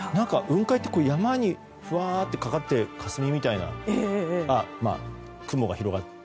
雲海って山にふわってかかっているかすみみたいな雲が広がって。